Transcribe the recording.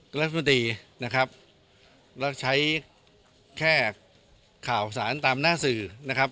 รัฐมนตรีนะครับแล้วใช้แค่ข่าวสารตามหน้าสื่อนะครับ